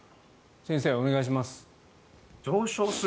先生お願いします。